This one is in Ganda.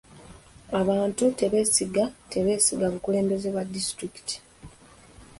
Abantu tebeesiga tebeesiga bukulembeze bwa disitulikiti.